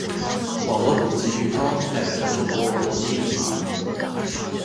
网络普及率高带来的众多网络低龄儿